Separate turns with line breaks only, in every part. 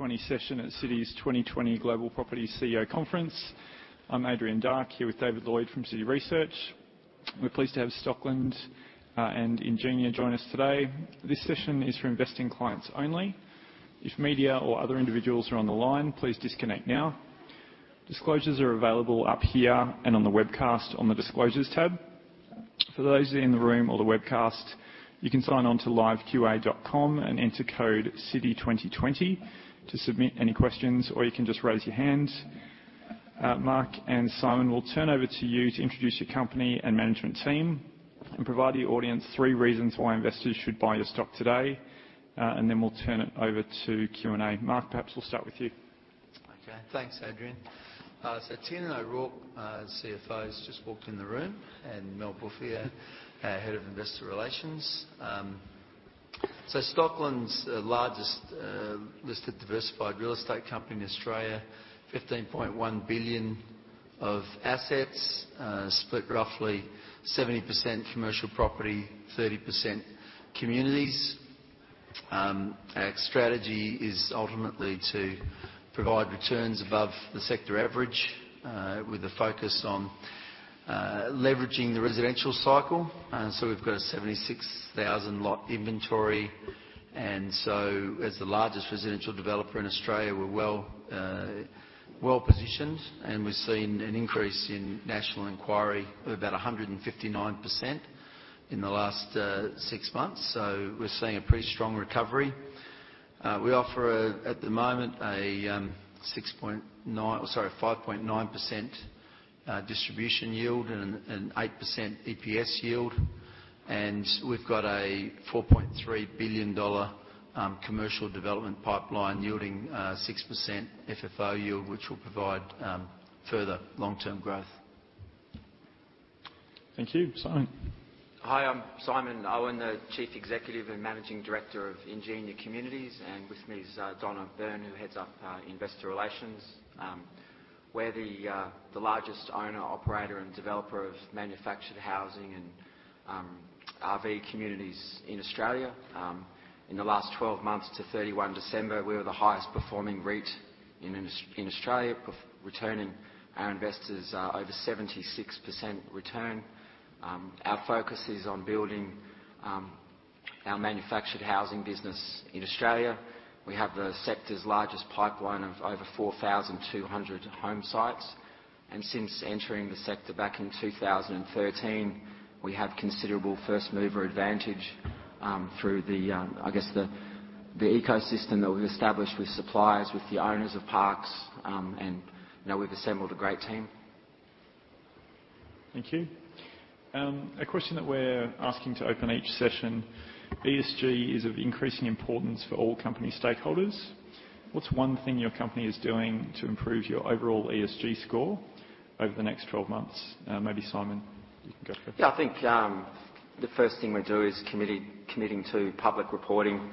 20 session at Citi's 2020 Global Property CEO Conference. I'm Adrian Dark, here with David Lloyd from Citi Research. We're pleased to have Stockland and Ingenia join us today. This session is for investing clients only. If media or other individuals are on the line, please disconnect now. Disclosures are available up here and on the webcast on the Disclosures tab. For those in the room or the webcast, you can sign on to liveqa.com and enter code CITI2020 to submit any questions, or you can just raise your hand. Mark and Simon, we'll turn over to you to introduce your company and management team, and provide the audience three reasons why investors should buy your stock today, and then we'll turn it over to Q&A. Mark, perhaps we'll start with you.
Okay. Thanks, Adrian. Tiernan O'Rourke, CFO, has just walked in the room, and Mel Buffier, Head of Investor Relations. Stockland's the largest listed diversified real estate company in Australia, 15.1 billion of assets, split roughly 70% commercial property, 30% communities. Our strategy is ultimately to provide returns above the sector average, with a focus on leveraging the residential cycle. We've got a 76,000 lot inventory. As the largest residential developer in Australia, we're well positioned, and we've seen an increase in national inquiry of about 159% in the last six months. We're seeing a pretty strong recovery. We offer, at the moment, a 6.9%, sorry, 5.9%, distribution yield and an 8% EPS yield. We've got a 4.3 billion dollar commercial development pipeline yielding 6% FFO yield, which will provide further long-term growth.
Thank you. Simon.
Hi, I'm Simon Owen, the Chief Executive and Managing Director of Ingenia Communities, and with me is Donna Byrne, who heads up Investor Relations. We're the largest owner, operator, and developer of manufactured housing and RV communities in Australia. In the last 12 months to 31 December, we were the highest performing REIT in Australia, returning our investors over 76% return. Our focus is on building our manufactured housing business in Australia. We have the sector's largest pipeline of over 4,200 home sites. Since entering the sector back in 2013, we have considerable first-mover advantage, through the ecosystem that we've established with suppliers, with the owners of parks, and we've assembled a great team.
Thank you. A question that we're asking to open each session, ESG is of increasing importance for all company stakeholders. What's one thing your company is doing to improve your overall ESG score over the next 12 months? Maybe Simon, you can go first.
Yeah. I think the first thing we do is committing to public reporting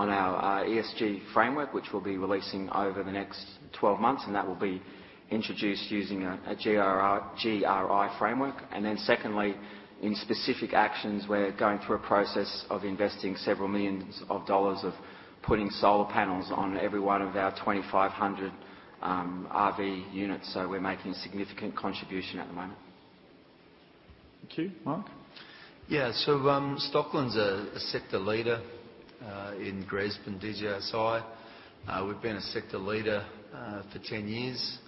on our ESG framework, which we'll be releasing over the next 12 months, and that will be introduced using a GRI framework. Secondly, in specific actions, we're going through a process of investing several millions of AUD of putting solar panels on every one of our 2,500 RV units, so we're making a significant contribution at the moment.
Thank you. Mark?
Stockland's a sector leader in GRESB and DJSI. We've been a sector leader for 10 years.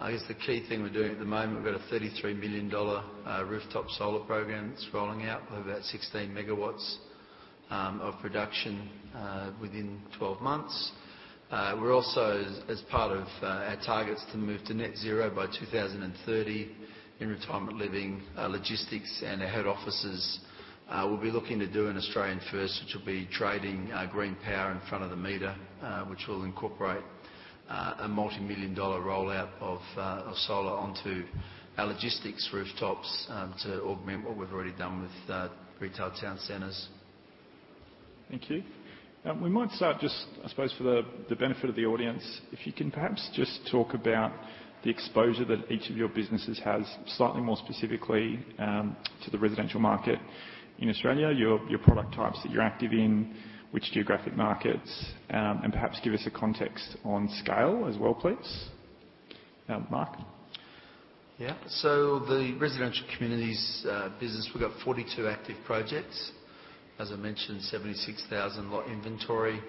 The key thing we're doing at the moment, we've got an 33 million dollar rooftop solar program that's rolling out with about 16 MW of production within 12 months. We're also, as part of our targets to move to net zero by 2030 in retirement living, logistics, and our head offices, we'll be looking to do an Australian first, which will be trading green power in front of the meter, which will incorporate a multimillion-dollar rollout of solar onto our logistics rooftops to augment what we've already done with retail town centers.
Thank you. We might start just, I suppose, for the benefit of the audience, if you can perhaps just talk about the exposure that each of your businesses has slightly more specifically, to the residential market in Australia, your product types that you're active in, which geographic markets, and perhaps give us a context on scale as well, please. Mark.
The residential communities business, we've got 42 active projects. As I mentioned, 76,000 lot inventory.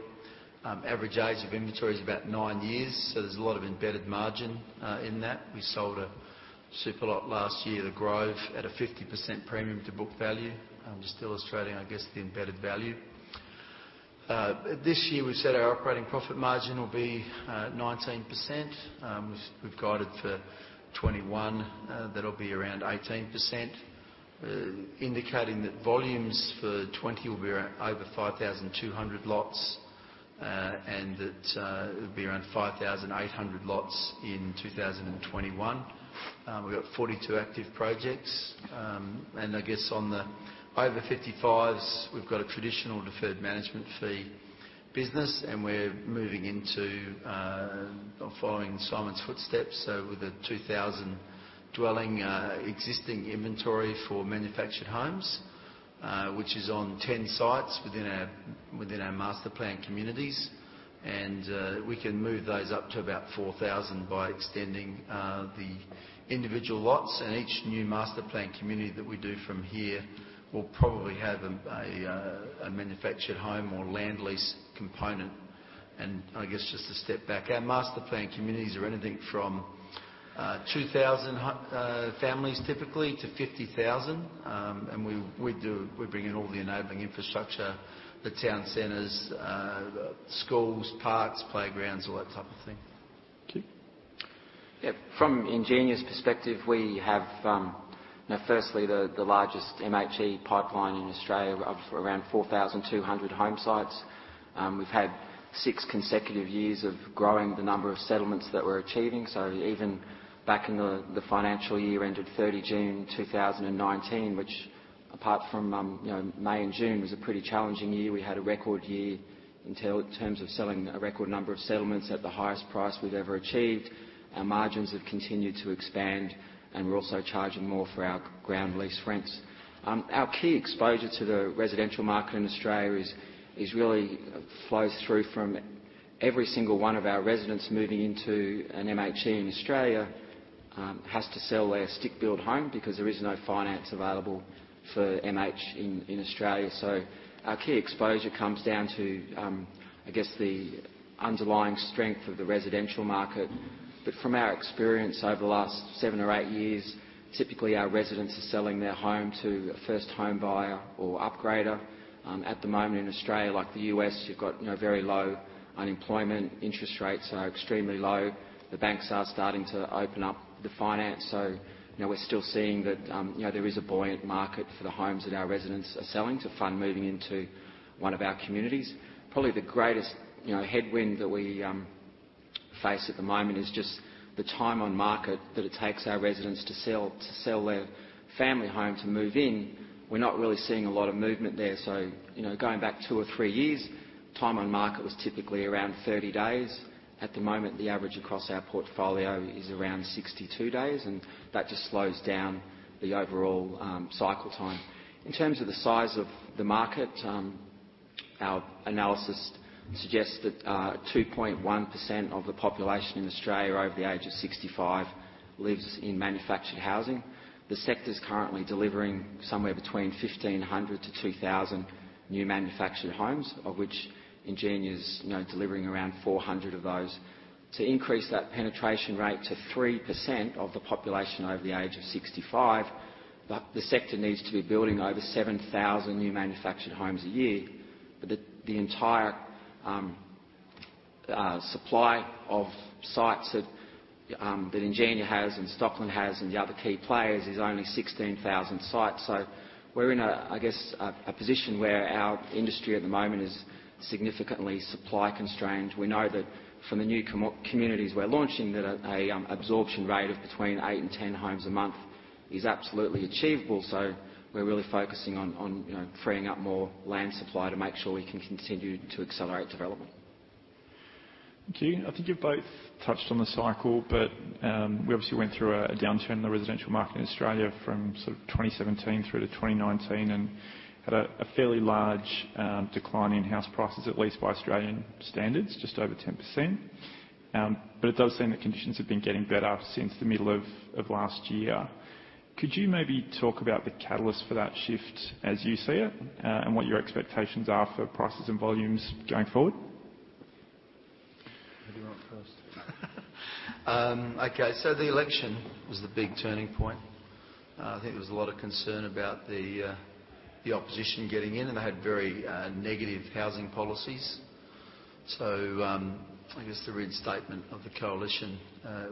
Average age of inventory is about nine years, there's a lot of embedded margin in that. We sold a super lot last year, The Grove, at a 50% premium to book value, just to illustrate, I guess, the embedded value. This year we've said our operating profit margin will be 19%, which we've guided for 2021. That'll be around 18%, indicating that volumes for 2020 will be over 5,200 lots, it'll be around 5,800 lots in 2021. We've got 42 active projects. I guess on the over 55s, we've got a traditional deferred management fee business, I'm following Simon's footsteps. With a 2,000 dwelling existing inventory for manufactured homes, which is on 10 sites within our master-planned communities. We can move those up to about 4,000 by extending the individual lots. Each new master-planned community that we do from here will probably have a manufactured home or land lease component. I guess just to step back, our master-planned communities are anything from 2,000 families typically to 50,000. We bring in all the enabling infrastructure, the town centers, schools, parks, playgrounds, all that type of thing.
Thank you.
From Ingenia's perspective, we have firstly the largest MHE pipeline in Australia of around 4,200 home sites. We've had six consecutive years of growing the number of settlements that we're achieving. Even back in the financial year ended 30 June 2019, which apart from May and June was a pretty challenging year, we had a record year in terms of selling a record number of settlements at the highest price we've ever achieved. Our margins have continued to expand, we're also charging more for our ground lease rents. Our key exposure to the residential market in Australia is really flows through from every single one of our residents moving into an MHE in Australia has to sell their stick-built home because there is no finance available for MH in Australia. Our key exposure comes down to, I guess, the underlying strength of the residential market. From our experience over the last seven or eight years, typically our residents are selling their home to a first home buyer or upgrader. At the moment in Australia, like the U.S., you've got very low unemployment. Interest rates are extremely low. The banks are starting to open up the finance. We're still seeing that there is a buoyant market for the homes that our residents are selling to fund moving into one of our communities. Probably the greatest headwind that we face at the moment is just the time on market that it takes our residents to sell their family home to move in. We're not really seeing a lot of movement there. Going back two or three years, time on market was typically around 30 days. At the moment, the average across our portfolio is around 62 days. That just slows down the overall cycle time. In terms of the size of the market, our analysis suggests that 2.1% of the population in Australia over the age of 65 lives in manufactured housing. The sector's currently delivering somewhere between 1,500 to 2,000 new manufactured homes, of which Ingenia is delivering around 400 of those. To increase that penetration rate to 3% of the population over the age of 65, the sector needs to be building over 7,000 new manufactured homes a year. The entire supply of sites that Ingenia has and Stockland has and the other key players is only 16,000 sites. We're in a position where our industry at the moment is significantly supply constrained. We know that from the new communities we're launching, that a absorption rate of between eight and 10 homes a month is absolutely achievable. We're really focusing on freeing up more land supply to make sure we can continue to accelerate development.
Thank you. I think you've both touched on the cycle, but we obviously went through a downturn in the residential market in Australia from 2017 through to 2019, and had a fairly large decline in house prices, at least by Australian standards, just over 10%. It does seem that conditions have been getting better since the middle of last year. Could you maybe talk about the catalyst for that shift as you see it, and what your expectations are for prices and volumes going forward?
Who do you want first? Okay. The election was the big turning point. I think there was a lot of concern about the opposition getting in, and they had very negative housing policies. I guess the reinstatement of the coalition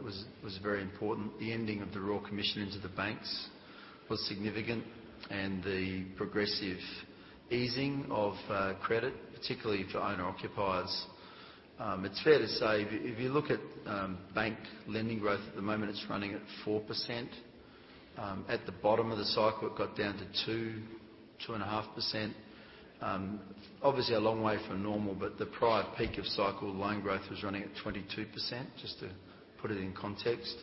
was very important. The ending of the Royal Commission into the banks was significant and the progressive easing of credit, particularly for owner occupiers. It's fair to say if you look at bank lending growth, at the moment it's running at 4%. At the bottom of the cycle, it got down to 2%, 2.5%. Obviously a long way from normal, but the prior peak of cycle loan growth was running at 22%, just to put it in context.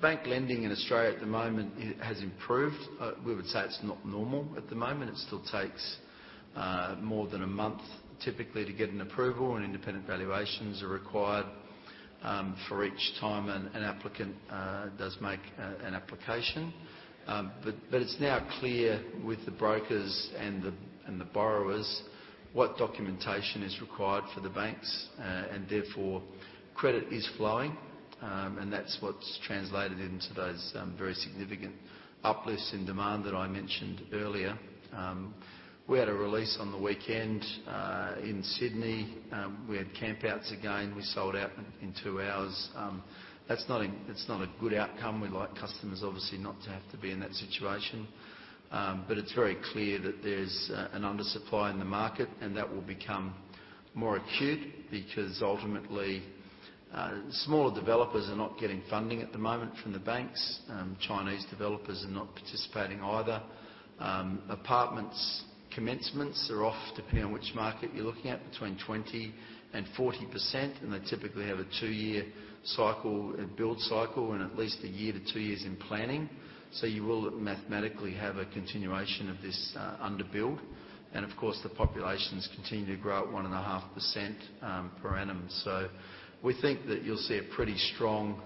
Bank lending in Australia at the moment has improved. We would say it's not normal at the moment. It still takes more than a month typically to get an approval, and independent valuations are required for each time an applicant does make an application. It's now clear with the brokers and the borrowers what documentation is required for the banks, and therefore credit is flowing, and that's what's translated into those very significant uplifts in demand that I mentioned earlier. We had a release on the weekend in Sydney. We had camp outs again. We sold out in two hours. It's not a good outcome. We like customers obviously not to have to be in that situation. It's very clear that there's an undersupply in the market, and that will become more acute because smaller developers are not getting funding at the moment from the banks. Chinese developers are not participating either. Apartments commencements are off, depending on which market you're looking at, between 20% and 40%, and they typically have a two-year build cycle and at least a year to two years in planning. You will mathematically have a continuation of this under-build. Of course, the population's continuing to grow at 1.5% per annum. We think that you'll see a pretty strong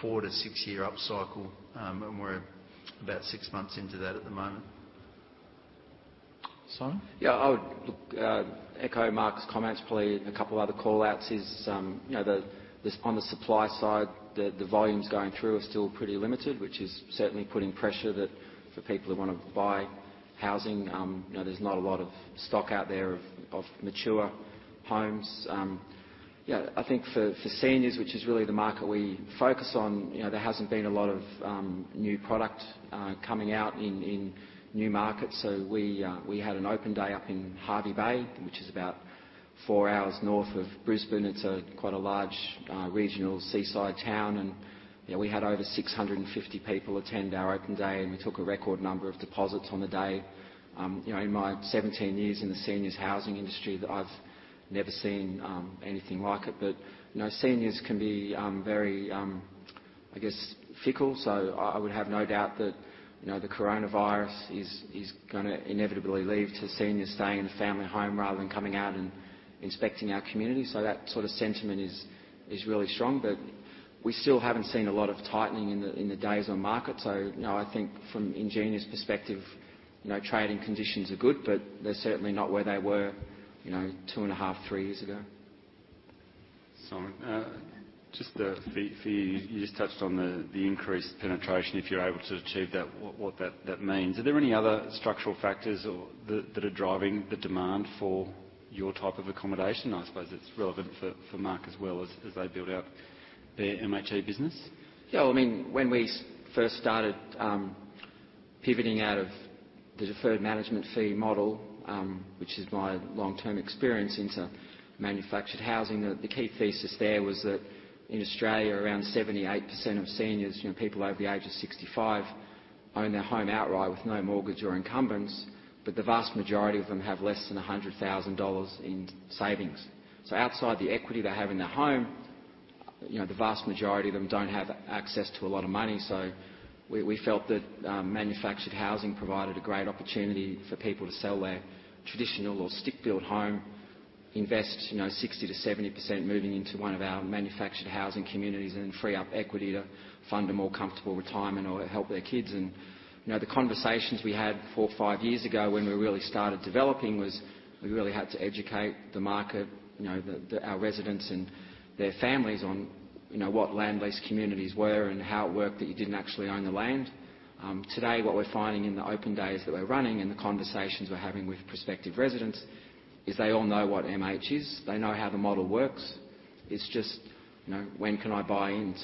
four to six-year upcycle, and we're about six months into that at the moment.
Simon?
Yeah. I would echo Mark's comments. Probably a couple other call-outs is, on the supply side, the volumes going through are still pretty limited, which is certainly putting pressure for people who want to buy housing. There's not a lot of stock out there of mature homes. I think for seniors, which is really the market we focus on, there hasn't been a lot of new product coming out in new markets. We had an open day up in Hervey Bay, which is about four hours north of Brisbane. It's quite a large regional seaside town, and we had over 650 people attend our open day, and we took a record number of deposits on the day. In my 17 years in the seniors housing industry, I've never seen anything like it. Seniors can be very, I guess, fickle. I would have no doubt that the coronavirus is going to inevitably lead to seniors staying in the family home rather than coming out and inspecting our community. That sort of sentiment is really strong, but we still haven't seen a lot of tightening in the days on market. I think from Ingenia's perspective, trading conditions are good, but they're certainly not where they were two and a half, three years ago.
Simon, just for you just touched on the increased penetration, if you're able to achieve that, what that means. Are there any other structural factors that are driving the demand for your type of accommodation? I suppose it's relevant for Mark as well as they build out their MH business.
Yeah. When we first started pivoting out of the deferred management fee model, which is my long-term experience into manufactured housing, the key thesis there was that in Australia, around 78% of seniors, people over the age of 65, own their home outright with no mortgage or incumbents, but the vast majority of them have less than 100,000 dollars in savings. Outside the equity they have in their home, the vast majority of them don't have access to a lot of money. We felt that manufactured housing provided a great opportunity for people to sell their traditional or stick-built home, invest 60%-70% moving into one of our manufactured housing communities, and then free up equity to fund a more comfortable retirement or help their kids. The conversations we had four or five years ago when we really started developing was we really had to educate the market, our residents, and their families on what land-based communities were and how it worked that you didn't actually own the land. Today, what we're finding in the open days that we're running and the conversations we're having with prospective residents is they all know what MH is. They know how the model works. It's just, "When can I buy in?"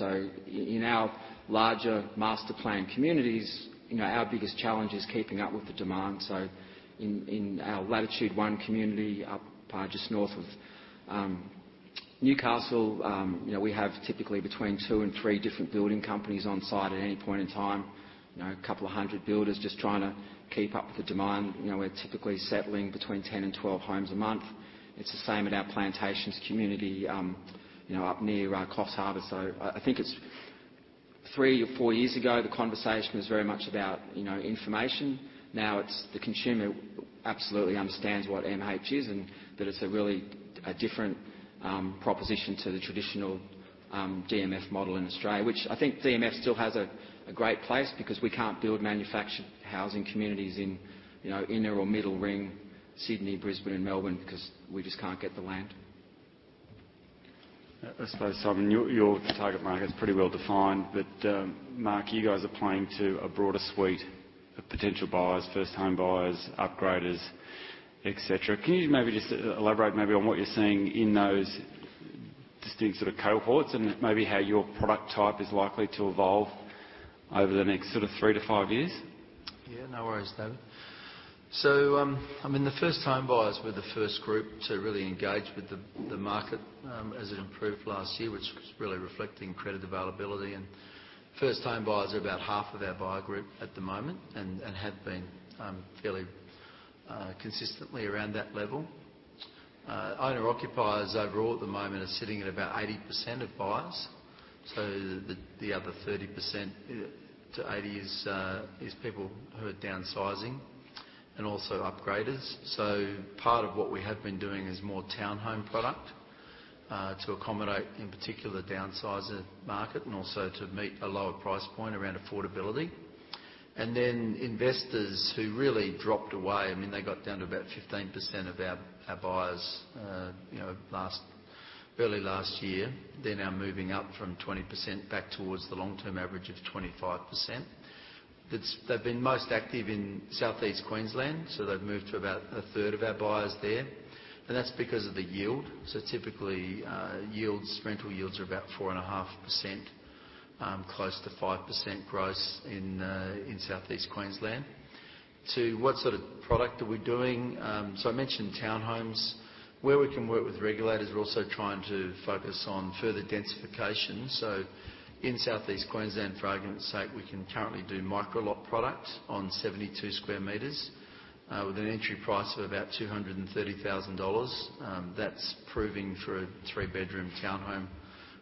In our larger master plan communities, our biggest challenge is keeping up with the demand. In our Latitude One community up just north of Newcastle, we have typically between two and three different building companies on site at any point in time. A couple of hundred builders just trying to keep up with the demand. We're typically settling between 10 and 12 homes a month. It's the same at our Plantations community up near Coffs Harbour. I think it's three or four years ago, the conversation was very much about information. Now, the consumer absolutely understands what MH is and that it's a really different proposition to the traditional DMF model in Australia. Which I think DMF still has a great place because we can't build manufactured housing communities in inner or middle ring Sydney, Brisbane, and Melbourne because we just can't get the land.
I suppose, Simon, your target market is pretty well defined. Mark, you guys are playing to a broader suite of potential buyers, first home buyers, upgraders, et cetera. Can you maybe just elaborate maybe on what you're seeing in those distinct cohorts and maybe how your product type is likely to evolve over the next three to five years?
Yeah, no worries, David. The first home buyers were the first group to really engage with the market as it improved last year, which was really reflecting credit availability. First home buyers are about half of our buyer group at the moment and have been fairly consistently around that level. Owner-occupiers overall at the moment are sitting at about 80% of buyers. The other 30% to 80% is people who are downsizing and also upgraders. Part of what we have been doing is more townhome product to accommodate, in particular, downsizer market and also to meet a lower price point around affordability. Investors who really dropped away, they got down to about 15% of our buyers early last year. They're now moving up from 20% back towards the long-term average of 25%. They've been most active in Southeast Queensland. They've moved to about a third of our buyers there. That's because of the yield. Typically, rental yields are about 4.5%-5% growth in Southeast Queensland. To what sort of product are we doing? I mentioned townhomes. Where we can work with regulators, we're also trying to focus on further densification. In Southeast Queensland, for argument's sake, we can currently do micro-lot products on 72 sq m with an entry price of about 230,000 dollars. That's proving for a three-bedroom townhome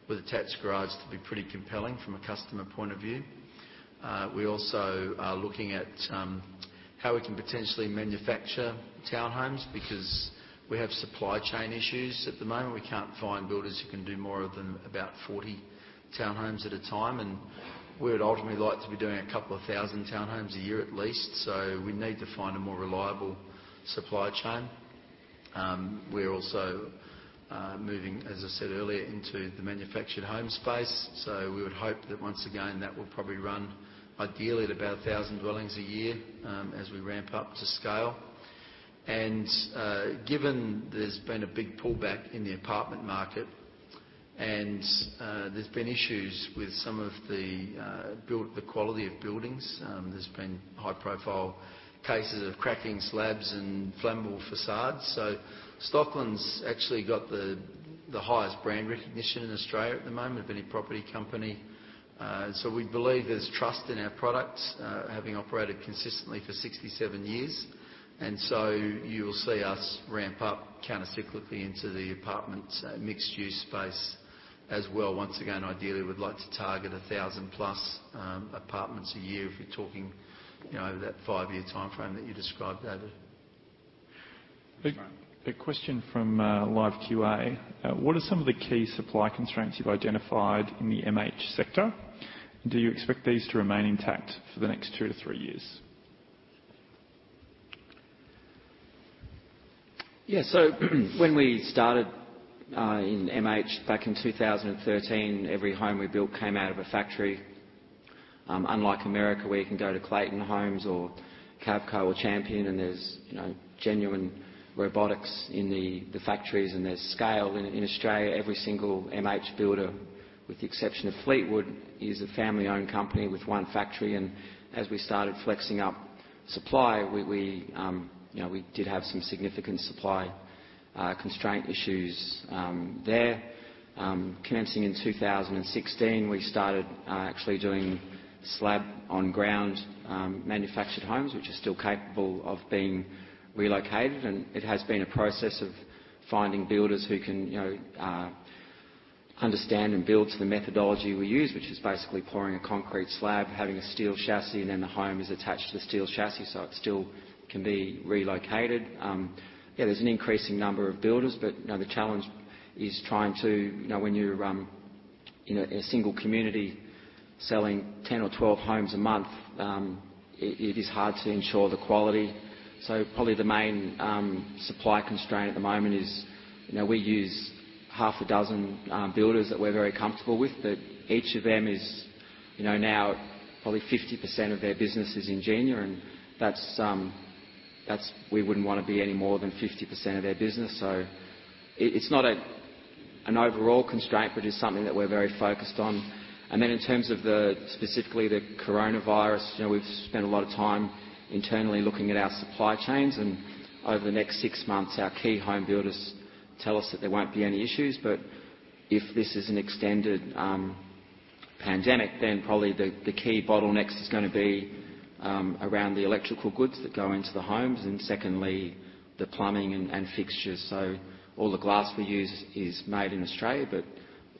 with attached garage to be pretty compelling from a customer point of view. We also are looking at how we can potentially manufacture townhomes because we have supply chain issues. At the moment, we can't find builders who can do more than about 40 townhomes at a time. We'd ultimately like to be doing 2,000 townhomes a year at least. We need to find a more reliable supply chain. We are also moving, as I said earlier, into the manufactured home space. We would hope that once again, that will probably run ideally at about 1,000 dwellings a year as we ramp up to scale. Given there's been a big pullback in the apartment market and there's been issues with some of the quality of buildings. There's been high-profile cases of cracking slabs and flammable facades. Stockland's actually got the highest brand recognition in Australia at the moment of any property company. We believe there's trust in our products, having operated consistently for 67 years. You will see us ramp up countercyclically into the apartment mixed-use space as well. Once again, ideally, we'd like to target 1,000+ apartments a year if you're talking over that five-year timeframe that you described, David.
A question from liveqa.com. What are some of the key supply constraints you've identified in the MH sector? Do you expect these to remain intact for the next two to three years?
Yeah. When we started in MH back in 2013, every home we built came out of a factory. Unlike America, where you can go to Clayton Homes or Cavco or Champion and there's genuine robotics in the factories and there's scale. In Australia, every single MH builder, with the exception of Fleetwood, is a family-owned company with one factory. As we started flexing up supply, we did have some significant supply constraint issues there. Commencing in 2016, we started actually doing slab-on-ground manufactured homes, which are still capable of being relocated, and it has been a process of finding builders who can understand and build to the methodology we use, which is basically pouring a concrete slab, having a steel chassis, and then the home is attached to the steel chassis, so it still can be relocated. There's an increasing number of builders, but the challenge is when you're in a single community selling 10 or 12 homes a month, it is hard to ensure the quality. Probably the main supply constraint at the moment is we use half a dozen builders that we're very comfortable with, but each of them is now probably 50% of their business is Ingenia, and we wouldn't want to be any more than 50% of their business. Then in terms of specifically the coronavirus, we've spent a lot of time internally looking at our supply chains, and over the next six months, our key home builders tell us that there won't be any issues. If this is an extended pandemic, then probably the key bottlenecks is going to be around the electrical goods that go into the homes and secondly, the plumbing and fixtures. All the glass we use is made in Australia, but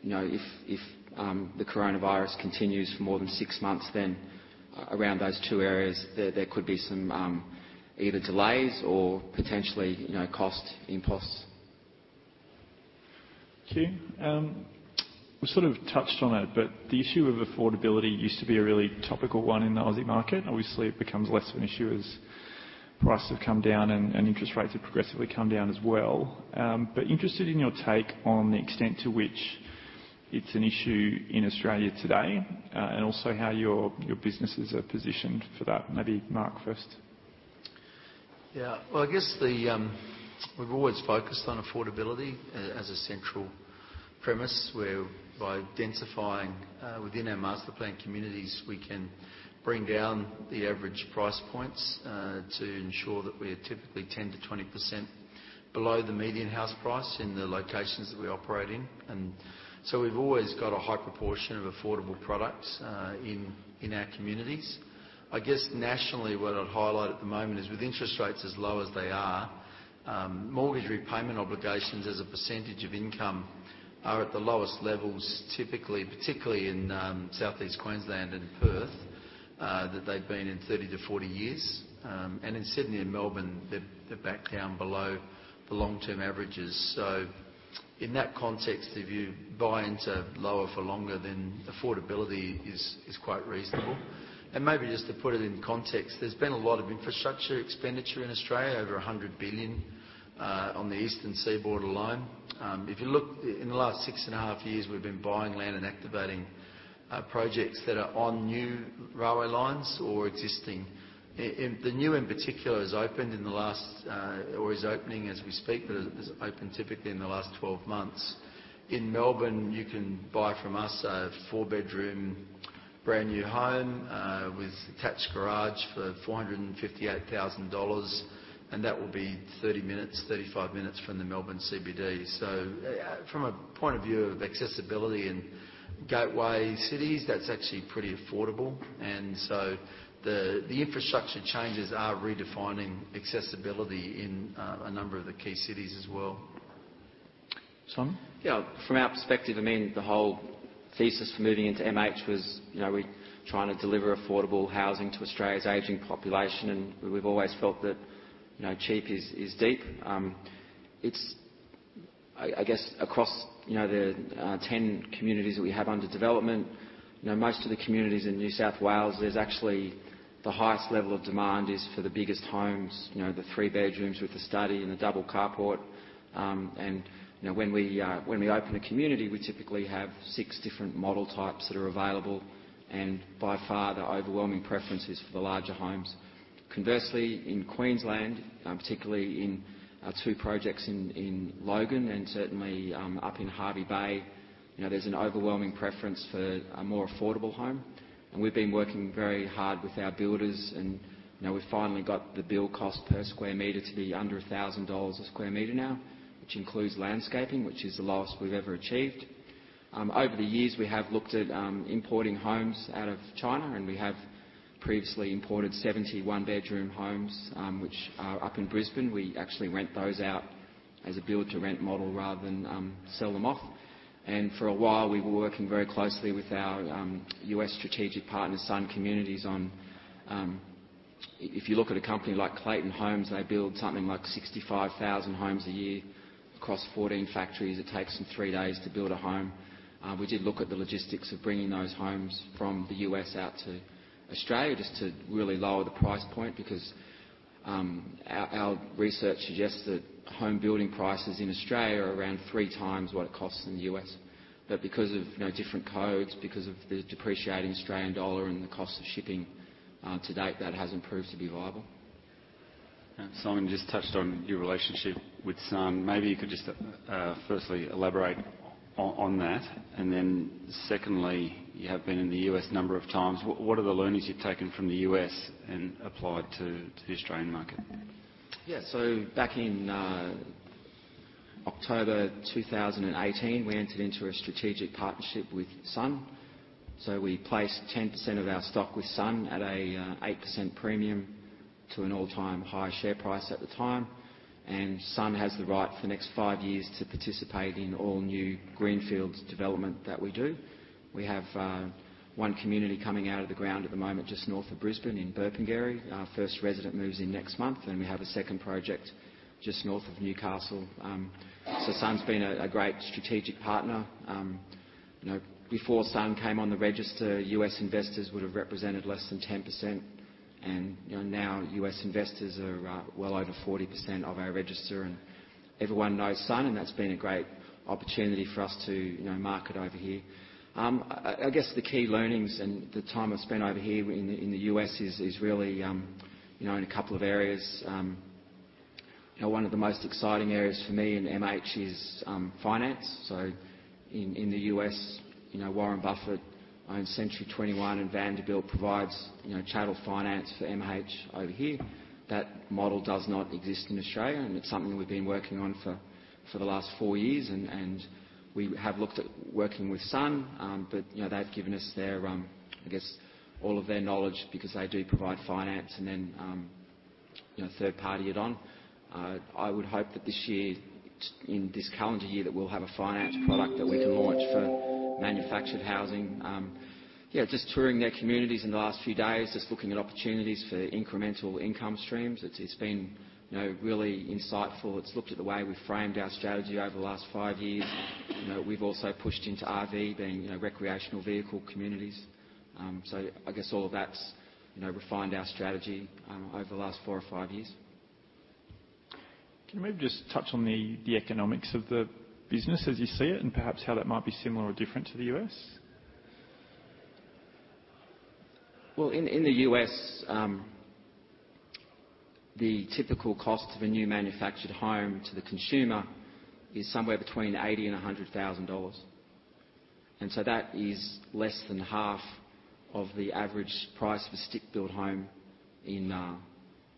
if the coronavirus continues for more than six months, then around those two areas there could be some either delays or potentially cost impulses.
Thank you. We sort of touched on it, the issue of affordability used to be a really topical one in the Aussie market. Obviously, it becomes less of an issue as prices have come down and interest rates have progressively come down as well. Interested in your take on the extent to which it's an issue in Australia today, and also how your businesses are positioned for that. Maybe Mark first.
Yeah. Well, I guess we've always focused on affordability as a central premise, whereby densifying within our master plan communities, we can bring down the average price points to ensure that we are typically 10%-20% below the median house price in the locations that we operate in. We've always got a high proportion of affordable products in our communities. I guess nationally, what I'd highlight at the moment is with interest rates as low as they are, mortgage repayment obligations as a percentage of income are at the lowest levels, particularly in Southeast Queensland and Perth, that they've been in 30-40 years. In Sydney and Melbourne, they're back down below the long-term averages. In that context, if you buy into lower for longer, then affordability is quite reasonable. Maybe just to put it in context, there's been a lot of infrastructure expenditure in Australia, over 100 billion on the eastern seaboard alone. If you look in the last six and a half years, we've been buying land and activating projects that are on new railway lines or existing. The new in particular has opened in the last or is opening as we speak, but has opened typically in the last 12 months. In Melbourne, you can buy from us a four-bedroom brand-new home with attached garage for 458,000 dollars. That will be 30 minutes, 35 minutes from the Melbourne CBD. From a point of view of accessibility in gateway cities, that's actually pretty affordable. The infrastructure changes are redefining accessibility in a number of the key cities as well.
Simon?
From our perspective, the whole thesis for moving into MH was we're trying to deliver affordable housing to Australia's aging population, and we've always felt that cheap is deep. I guess, across the 10 communities that we have under development, most of the communities in New South Wales, there's actually the highest level of demand is for the biggest homes, the three bedrooms with the study and the double carport. When we open a community, we typically have six different model types that are available. By far, the overwhelming preference is for the larger homes. Conversely, in Queensland, particularly in our two projects in Logan and certainly up in Hervey Bay, there's an overwhelming preference for a more affordable home. We've been working very hard with our builders, we finally got the build cost per sq m to be under 1,000 dollars a sq m now, which includes landscaping, which is the lowest we've ever achieved. Over the years, we have looked at importing homes out of China, and we have previously imported 70 one-bedroom homes, which are up in Brisbane. We actually rent those out as a build-to-rent model rather than sell them off. For a while, we were working very closely with our U.S. strategic partner, Sun Communities. If you look at a company like Clayton Homes, they build something like 65,000 homes a year across 14 factories. It takes them three days to build a home. We did look at the logistics of bringing those homes from the U.S. out to Australia just to really lower the price point because our research suggests that home building prices in Australia are around 3x what it costs in the U.S. Because of different codes, because of the depreciating Australian dollar, and the cost of shipping, to date, that hasn't proved to be viable.
Simon, you just touched on your relationship with Sun. Maybe you could just firstly elaborate on that. Secondly, you have been in the U.S. a number of times. What are the learnings you've taken from the U.S. and applied to the Australian market?
Yeah. Back in October 2018, we entered into a strategic partnership with Sun. We placed 10% of our stock with Sun at an 8% premium to an all-time high share price at the time. Sun has the right for the next five years to participate in all new greenfield development that we do. We have one community coming out of the ground at the moment just north of Brisbane in Burpengary. Our first resident moves in next month, and we have a second project just north of Newcastle. Sun's been a great strategic partner. Before Sun came on the register, U.S. investors would have represented less than 10%, and now U.S. investors are well over 40% of our register, and everyone knows Sun, and that's been a great opportunity for us to market over here. I guess the key learnings in the time I've spent over here in the U.S. is really in a couple of areas. One of the most exciting areas for me in MH is finance. In the U.S., Warren Buffett owns 21st Mortgage, and Vanderbilt provides chattel finance for MH over here. That model does not exist in Australia, and it's something we've been working on for the last four years, and we have looked at working with Sun. They've given us all of their knowledge because they do provide finance and then third-party it on. I would hope that this year, in this calendar year, that we'll have a finance product that we can launch for manufactured housing. Just touring their communities in the last few days, just looking at opportunities for incremental income streams, it's been really insightful. It's looked at the way we framed our strategy over the last five years. We've also pushed into RV, being recreational vehicle communities. I guess all of that's refined our strategy over the last four or five years.
Can you maybe just touch on the economics of the business as you see it and perhaps how that might be similar or different to the U.S.?
In the U.S., the typical cost of a new manufactured home to the consumer is somewhere between $80,000 and $100,000. That is less than half of the average price of a stick-built home in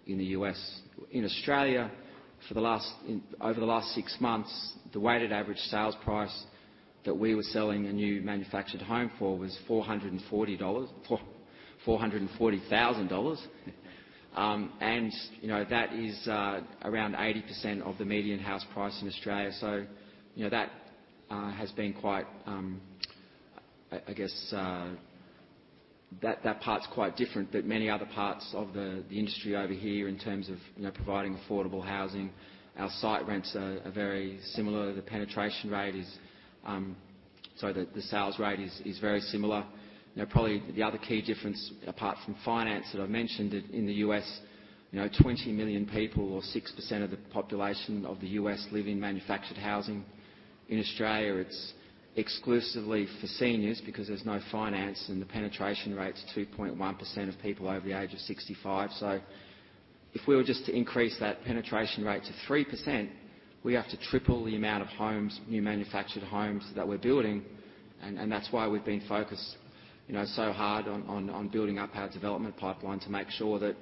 the U.S. In Australia, over the last six months, the weighted average sales price that we were selling a new manufactured home for was AUD 440,000. That is around 80% of the median house price in Australia. That part's quite different, but many other parts of the industry over here in terms of providing affordable housing, our site rents are very similar. The sales rate is very similar. Probably the other key difference apart from finance that I mentioned, in the U.S., 20 million people or 6% of the population of the U.S. live in manufactured housing. In Australia, it's exclusively for seniors because there's no finance and the penetration rate's 2.1% of people over the age of 65. If we were just to increase that penetration rate to 3%, we have to triple the amount of homes, new manufactured homes that we're building. That's why we've been focused so hard on building up our development pipeline to make sure that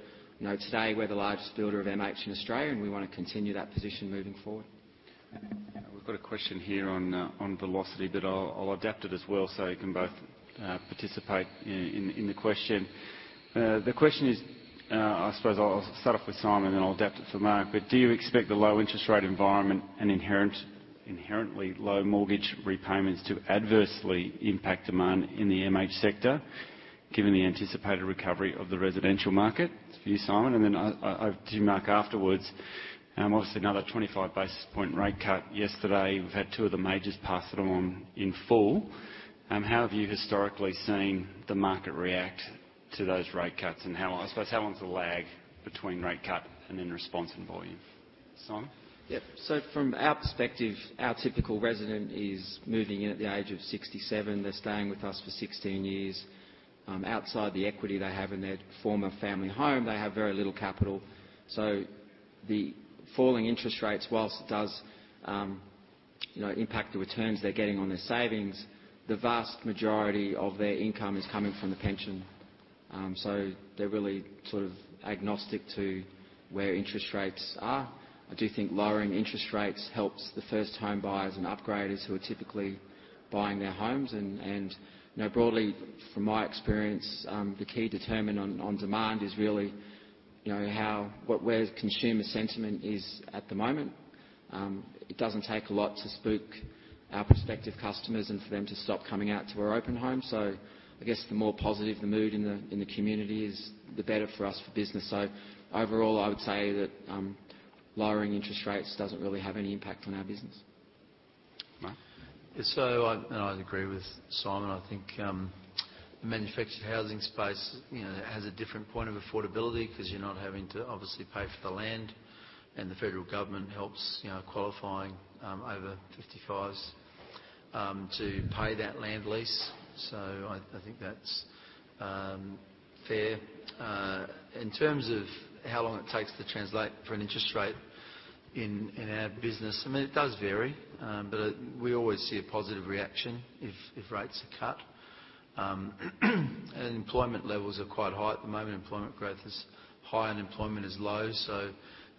today we're the largest builder of MH in Australia, and we want to continue that position moving forward.
We've got a question here on Velocity. I'll adapt it as well so you can both participate in the question. The question is, I suppose I'll start off with Simon, and then I'll adapt it for Mark. Do you expect the low interest rate environment and inherently low mortgage repayments to adversely impact demand in the MH sector, given the anticipated recovery of the residential market? It's for you, Simon, and then over to you, Mark, afterwards. Obviously another 25 basis point rate cut yesterday. We've had two of the majors pass it on in full. How have you historically seen the market react to those rate cuts and how long is the lag between rate cut and then response in volume? Simon?
Yep. From our perspective, our typical resident is moving in at the age of 67. They're staying with us for 16 years. Outside the equity they have in their former family home, they have very little capital. The falling interest rates, whilst it does impact the returns they're getting on their savings, the vast majority of their income is coming from the pension. They're really agnostic to where interest rates are. I do think lowering interest rates helps the first home buyers and upgraders who are typically buying their homes. Broadly, from my experience, the key determinant on demand is really where consumer sentiment is at the moment. It doesn't take a lot to spook our prospective customers and for them to stop coming out to our open homes. I guess the more positive the mood in the community is, the better for us for business. Overall, I would say that lowering interest rates doesn't really have any impact on our business.
Mark.
I agree with Simon. I think the manufactured housing space has a different point of affordability because you're not having to obviously pay for the land, and the federal government helps qualifying over 55s to pay that land lease. I think that's fair. In terms of how long it takes to translate for an interest rate in our business, it does vary, but we always see a positive reaction if rates are cut. Employment levels are quite high at the moment. Employment growth is high, unemployment is low.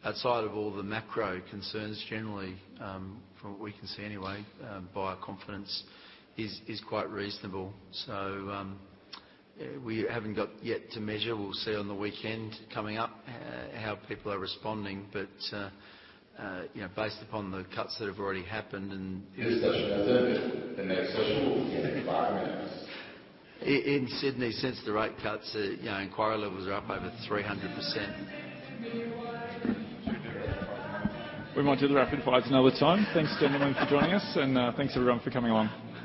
Outside of all the macro concerns, generally, from what we can see anyway, buyer confidence is quite reasonable. We haven't got yet to measure. We'll see on the weekend coming up how people are responding. Based upon the cuts that have already happened.
The next session will begin in five minutes.
In Sydney, since the rate cuts, inquiry levels are up over 300%.
We might do the rapid fires another time. Thanks, gentlemen, for joining us, and thanks everyone for coming along.